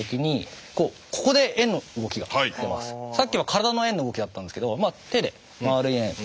さっきは体の円の動きだったんですけど手で円い円。